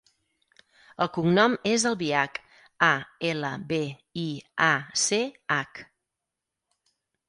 El cognom és Albiach: a, ela, be, i, a, ce, hac.